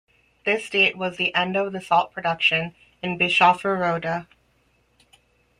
This date was the end of the salt production in Bischofferode.